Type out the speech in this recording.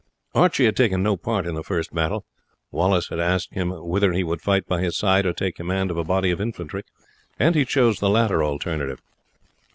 Archie had taken no part in the first battle. Wallace had asked him whether he would fight by his side or take command of a body of infantry; and he chose the latter alternative.